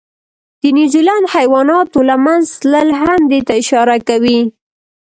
د نیوزیلند حیواناتو له منځه تلل هم دې ته اشاره کوي.